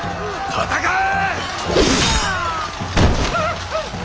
戦え！